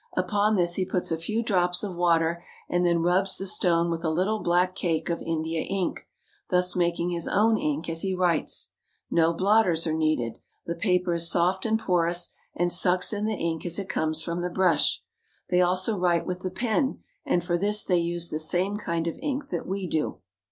Upon this he puts a few drops of water, and then rubs the stone with a little black cake of India ink, thus making his own ink as he writes. No blotters are needed. The paper is soft and porous, and sucks in the ink as it comes from the brush. They also write with the pen, and for this they use the same kind of ink that we do.